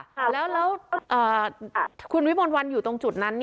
แล้วคุณวิมลวันอยู่ตรงจุดนั้น